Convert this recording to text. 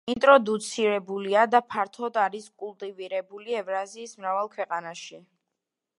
ინტროდუცირებულია და ფართოდ არის კულტივირებული ევრაზიის მრავალ ქვეყანაში.